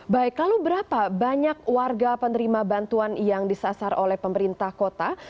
baik lalu berapa banyak warga penerima bantuan yang disasar oleh pemerintah kota